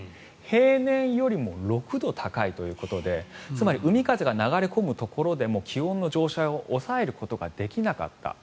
平年よりも６度高いということでつまり海風が流れ込むところでも気温の上昇を抑えることができなかった。